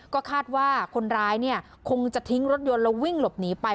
ก็คาดว่าคนร้ายคงจะทิ้งรถยนต์แล้ววิ่งหลบหนีไป